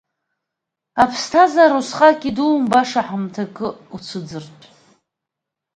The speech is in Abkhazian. Аԥсҭазаара усҟатәи идуум, баша ҳамҭакы уцәыӡыртә.